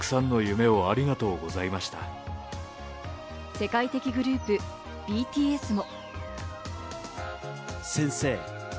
世界的グループＢＴＳも。